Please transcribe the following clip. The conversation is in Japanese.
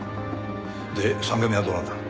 で３件目はどうなんだ？